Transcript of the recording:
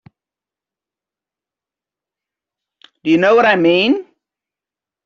Do you know what I mean?